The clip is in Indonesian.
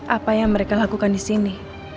apa yang mereka lakukan disini